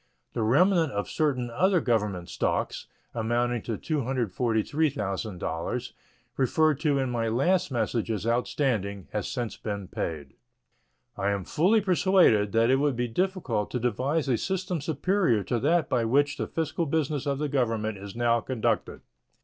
The remnant of certain other Government stocks, amounting to $243,000, referred to in my last message as outstanding, has since been paid. I am fully persuaded that it would be difficult to devise a system superior to that by which the fiscal business of the Government is now conducted.